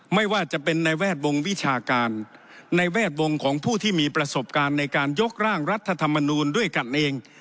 ไม่ว่าจะเป็นในแวดวงวิชาการในแวดวงของผู้ที่มีประสบการณ์ในการยกร่างรัฐธรรมนูลด้วยกันเอง